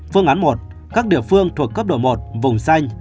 phương án một các địa phương thuộc cấp đổi một vùng xanh